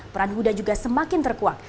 peran huda juga semakin terkuak